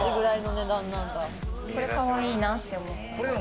これかわいいなって思って。